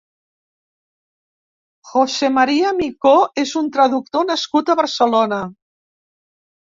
José María Micó és un traductor nascut a Barcelona.